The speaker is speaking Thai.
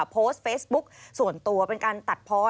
โพสต์เฟซบุ๊กส่วนตัวเป็นการตัดเพาะ